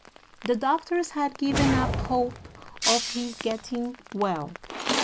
The doctors had given up hope of his getting well.